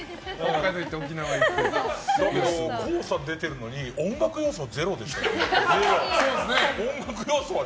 だけど、ＫＯＯさん出てるのに音楽要素ゼロでしたよね。